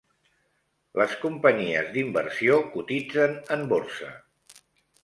Les companyies d'inversió cotitzen en borsa.